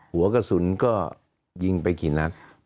หัวกระสุนก็ยิงไปกี่นัด